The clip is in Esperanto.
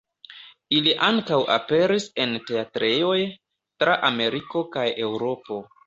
Ili ankaŭ aperis en teatrejoj tra Ameriko kaj Eŭropo.